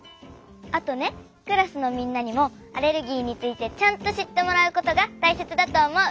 あとねクラスのみんなにもアレルギーについてちゃんとしってもらうことがたいせつだとおもう。